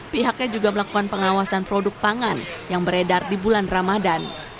pihaknya juga melakukan pengawasan produk pangan yang beredar di bulan ramadan